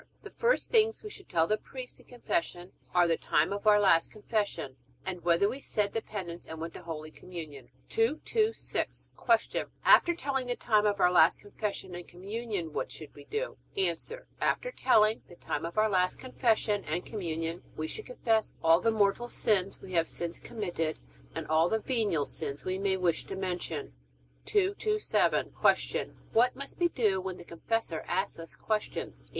The first things we should tell the priest in Confession are the time of our last Confession, and whether we said the penance and went to Holy Communion. 226. Q. After telling the time of our last Confession and Communion what should we do? A. After telling the time of our last Confession and Communion we should confess all the mortal sins we have since committed, and all the venial sins we may wish to mention. 227. Q. What must we do when the confessor asks us questions?